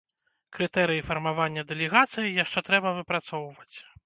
Крытэрыі фармавання дэлегацыі яшчэ трэба выпрацоўваць.